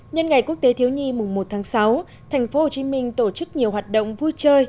nhân ngày quốc tế thiếu nhi mùng một tháng sáu thành phố hồ chí minh tổ chức nhiều hoạt động vui chơi